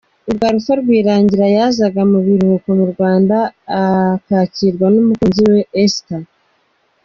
Ubwo Alpha Rwirangira yazaga mu biruhuko mu Rwanda akakirwa n'umukunzi we Esther.